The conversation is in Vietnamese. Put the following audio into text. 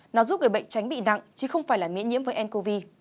nó giúp người bệnh tránh bị nặng chứ không phải là miễn nhiễm với ncov